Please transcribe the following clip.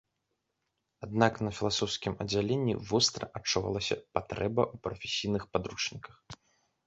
Аднак на філасофскім аддзяленні востра адчувалася патрэба ў прафесійных падручніках.